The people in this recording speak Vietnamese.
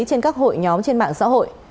trên các hội nhóm trên mạng xã hội